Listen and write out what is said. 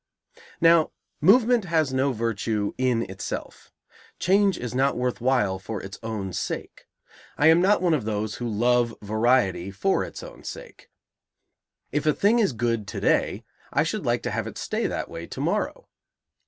Now, movement has no virtue in itself. Change is not worth while for its own sake. I am not one of those who love variety for its own sake. If a thing is good to day, I should like to have it stay that way to morrow.